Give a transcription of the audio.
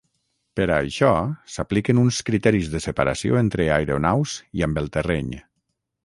Per a això s'apliquen uns criteris de separació entre aeronaus i amb el terreny.